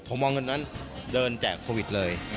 ผมเอาเงินนั้นเดินแจกโควิดเลย